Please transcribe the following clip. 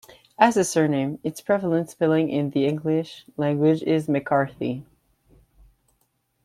As a surname, its prevalent spelling in the English language is McCarthy.